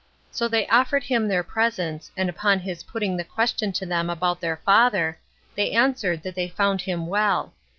So they offered him their presents; and upon his putting the question to them about their father, they answered that they found him well.